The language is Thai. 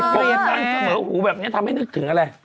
ผมตั้งเสมอหูแบบนี้ทำให้นึกถึงอะไร